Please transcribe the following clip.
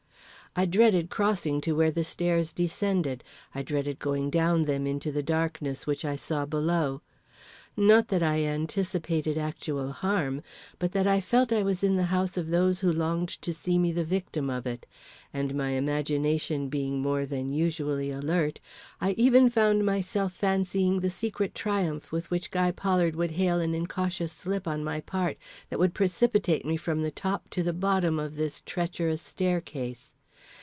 I dreaded crossing to where the stairs descended; I dreaded going down them into the darkness which I saw below. Not that I anticipated actual harm, but that I felt I was in the house of those who longed to see me the victim of it; and my imagination being more than usually alert, I even found myself fancying the secret triumph with which Guy Pollard would hail an incautious slip on my part, that would precipitate me from the top to the bottom of this treacherous staircase.